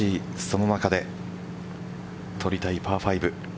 その中で取りたいパー５。